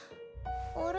あれ？